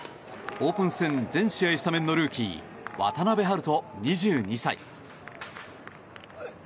オープン戦全試合スタメンのルーキー渡部遼人、２２歳。